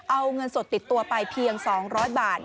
เอาเงินสดติดตัวไปเพียง๒๐๐บาท